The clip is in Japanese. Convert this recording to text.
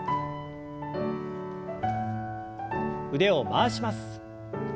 腕を回します。